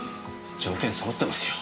条件そろってますよ。